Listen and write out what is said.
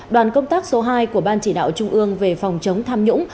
đoàn công tác số hai của ban chỉ đạo trung ương về phòng chống tham nhũng